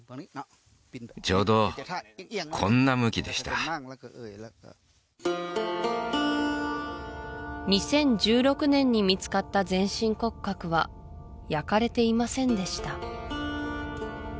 ちょうどこんな向きでした２０１６年に見つかった全身骨格は焼かれていませんでした